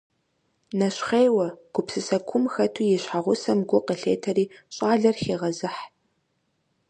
Нэщхъейуэ, гупсысэ куум хэту и щхьэгъусэм гу къылъетэри щӀалэр хегъэзыхь.